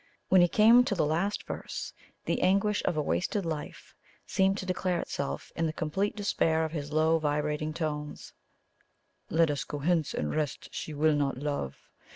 When he came to the last verse, the anguish of a wasted life seemed to declare itself in the complete despair of his low vibrating tones: "Let us go hence and rest; she will not love.